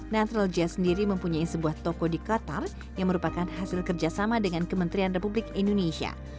natural jazz sendiri mempunyai sebuah toko di qatar yang merupakan hasil kerjasama dengan kementerian republik indonesia